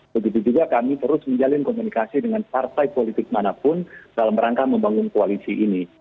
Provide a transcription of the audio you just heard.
begitu juga kami terus menjalin komunikasi dengan partai politik manapun dalam rangka membangun koalisi ini